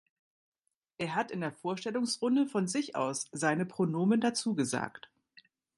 Er hat in der Vorstellungsrunde von sich aus seine Pronomen dazu gesagt.